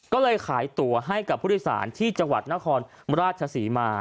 ก็เลยขายตัวให้กับผู้โดยสารที่จังหวัดนครราชศรีมา